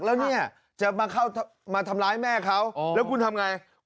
แล้วนี่จะมาทำร้ายแม่เขาแล้วคุณทำอย่างไร